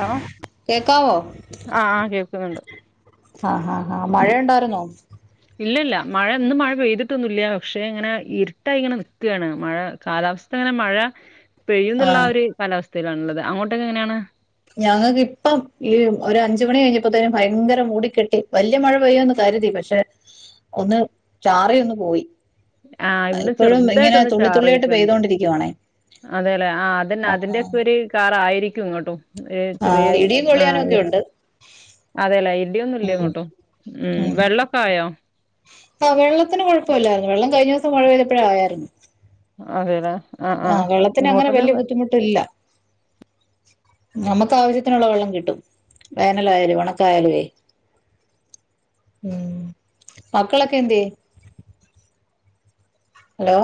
Hello കേക്കാവോ അഹ് കേൾക്കുന്നുണ്ട് ആഹ് അഹ് മഴ ഉണ്ടായിന്നോ? ഇല്ല ഇല്ല മഴ ഇന്നും മഴ പെയ്തിട്ടൊന്നുംല്ല പക്ഷെ ഇങ്ങനെ ഇരുട്ടായി ഇങ്ങനെ നിൽക്കുകയാണ് മഴ കാലാവസ്ഥ അങ്ങനെ മഴ പെഴിയ എന്നുള്ള ആഹ് ഒരു കാലാവസ്ഥയിലാണ്ണള്ളത് അങ്ങോട്ടൊക്കെ എങ്ങനെയാണ് ഞങ്ങൾക്ക്പ്പം ഈ ഒരു അഞ്ച മണി കഴിഞ്ഞപ്പോത്തേനും ഭയങ്കര മൂടിക്കെട്ടി വലയ മഴ പെയ്യോന്ന് കരുതി പക്ഷെ പക്ഷ ഒന്ന് ചാറ ഒന്ന് പോയി ആഹ് ഇവിടെ എപ്പോഴും ഇങ്ങനെ ചെറുതായിട്ടൊന്ന് തുള്ളിത്തുള്ളിയായിട്ട് ചാറിയിട്ടുണ്ട് പെയ്തോണ്ടിരിക്കുവാണേ അതെല്ലെ ആ അതന്നെ അതിന്റെറെയക്കെ ഒരു കാറായിരിക്കും ഇങ്ങോട്ടും ഏയ് ചെറിയ ആഹ് ഇടിയും കൊള്ളിയാനും ഒക്കെ അഹ് ഉണ്ട് അതെയല്ലേ ഇടിയൊന്നും ഉം ഇല്ലേങ്ങോട്ട് ഉ വെള്ളൊക്കെ ആയോ? ആ വെള്ളത്തിന് കുഴപ്പമല്ലായിരുന്നു വെള്ളം കഴിഞ്ഞ ദിവസം മഴ പെയ്തപ്പോഴ ആയരുന്നു അതെല് ആഹ് വെള്ളത്തിന് അങ്ങനെ വല്യ ബുദ്ധിമുട്ടില്ല നമുക്ക് ആവശ്യത്തിനുള്ള വെള്ളം കിട്ടും വേനലായാലും ഉണക്കായാലുവേ ഉം മക്കളക്കെന്തെയ്യ hello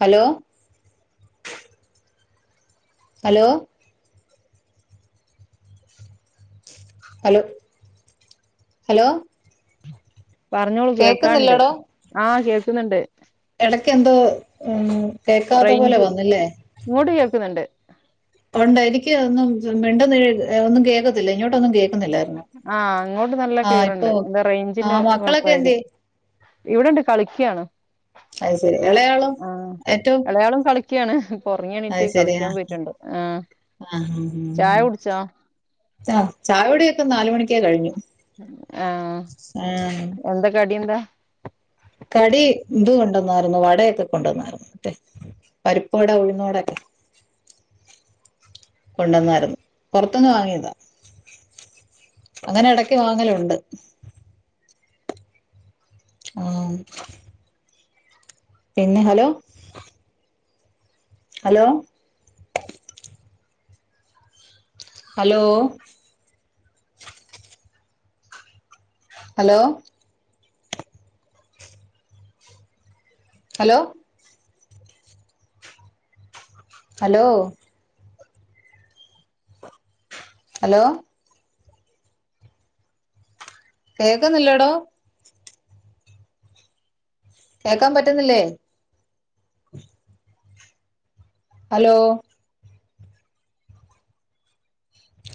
hello hello hello hello പറഞ്ഞോളൂ കേൾക്കാണ്ട് കേക്കുന്നില്ലടോ ആഹ് കേൾക്കുന്നുണ്ട് ഇടക്ക് എന്തോ ഉ കേൾക്കാത്ത പോലെ റേഞ്ച് വന്നില്ലേ ഇങ്ങോട്ട് കേൾക്കുന്നുണ്ട് പണ്ട എരിക്കക്ക് ഒന്നും മിണ്ട ഒന്നും കേക്കത്തില്ല ഇങ്ങോട്ടൊന്നും കേൾക്കുന്നില്ലായിരുന്നു ആഹ് ങ്ങോട്ട് നല്ല ആഹ് ക്ലിയർ ഇപ്പൊ ഉണ്ട് എന്തോ ആ റേഞ്ചിന്റെ മക്കളൊക്കെ എന്ത്യേ കുഴപ്പായിരിക്കും ഇവിടെണ്ട് കളിക്കാണ് അത് ശരി ഇളയാളോ ആ ഏറ്റവും ഇളയാളും കളി ണ് ഉറങ്ങി അത് എണീട്ട് ശരി ആ കളിക്കാൻ പോയിട്ടുണ്ട് ആ ആഹ് ചായ കുടിച്ചോ ആ ചായോടിയൊക്കെ നാല് മണിക്കേ കഴിഞ്ഞു ആഹ് ആഹ് എന്തൊ കടി എന്താ കടി ഇത് കൊണ്ടുവന്നായിരുന്നു വടയൊക്കെ കൊണ്ടുവന്നായിരുന്നു പരിപ് വട ഉഴുന്നോടൊക്കെ കൊണ്ടന്നായിരുന്നു പുറത്തന്ന് വാങ്ങിയതാ അങ്ങനെ ഇടക്ക് വാങ്ങലുണ്ട് ആഹ് പിന്നെ hello hello hello hello hello hello hello കേക്കുന്നില്ലടോ കേക്കാൻ പറ്റുന്നില്ലേ hello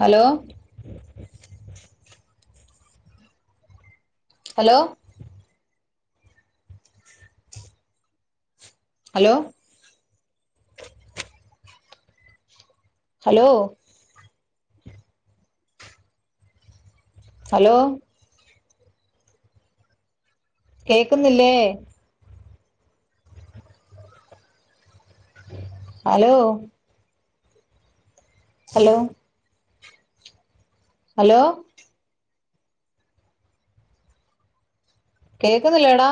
hello hello hello hello hello കേക്കുന്നില്ലേ ഹലോ ഹലോ ഹലോ കേൾക്കുന്നില്ലേടാ